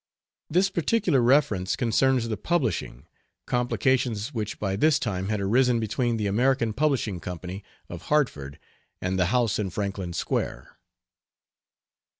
This particular reference concerns the publishing, complications which by this time had arisen between the American Publishing Company, of Hartford, and the house in Franklin Square.